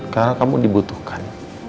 karena kamu dibutuhkan